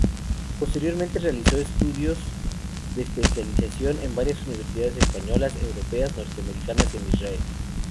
Posteriormente realizó estudios de especialización en varias universidades españolas, europeas, norteamericanas y en Israel.